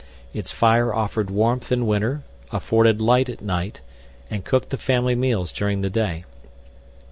Its fire offered warmth in winter, afforded light at night, and cooked the family meals during the day.